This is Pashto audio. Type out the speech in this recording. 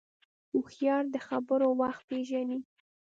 هوښیار د خبرو وخت پېژني